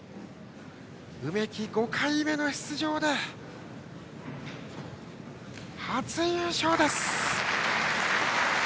梅木、５回目の出場で初優勝です。